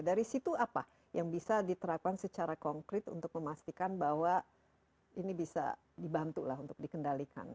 dari situ apa yang bisa diterapkan secara konkret untuk memastikan bahwa ini bisa dibantu lah untuk dikendalikan